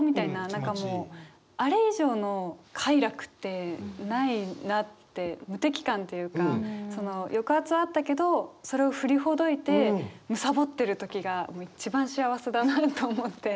何かもうあれ以上の快楽ってないなって無敵感っていうか抑圧はあったけどそれを振りほどいてむさぼってる時が一番幸せだなと思って。